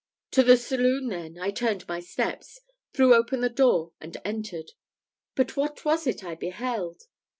To the saloon, then, I turned my steps, threw open the door, and entered. But what was it I beheld?